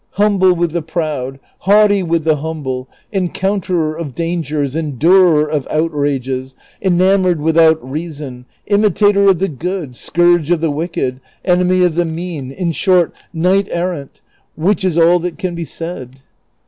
^ Humble with the proud, haughty with the humble, encounterer of dangers, endurer of outrages, enamoured without reason, imitator of the good, scourge of the wicked, enemy of the mean, in short, knight errant, which is all that can be said